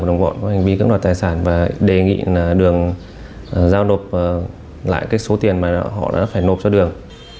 và đồng bộ có hành vi cướp đoạt tài sản và đề nghị là đường giao nộp lại cái số tiền mà họ đã phải nộp cho đường